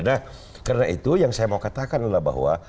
nah karena itu yang saya mau katakan adalah bahwa